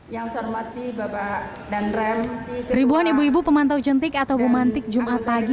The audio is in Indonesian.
yang saya hormati bapak dan rem ribuan ibu ibu pemantau jentik atau bumantik jumat pagi